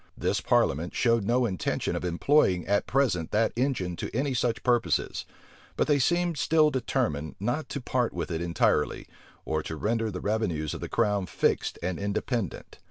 This parliament showed no intention of employing at present that engine to any such purposes; but they seemed still determined not to part with it entirely, or to render the revenues of the crown fixed and independent.